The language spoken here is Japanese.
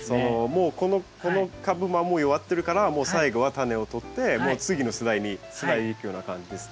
もうこの株はもう弱ってるからもう最後はタネをとって次の世代につないでいくような感じですね。